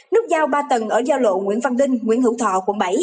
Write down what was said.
nút giao ba tầng ở giao lộ nguyễn văn đinh nguyễn hữu thọ quận bảy